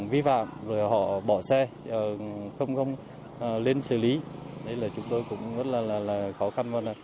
vi phạm họ bỏ xe không lên xử lý đây là chúng tôi cũng rất là khó khăn